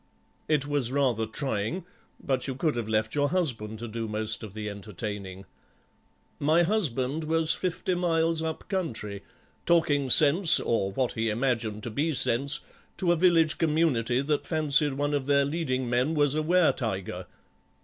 "It was rather trying, but you could have left your husband to do most of the entertaining." "My husband was fifty miles up country, talking sense, or what he imagined to be sense, to a village community that fancied one of their leading men was a were tiger."